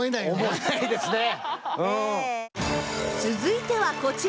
続いてはこちら！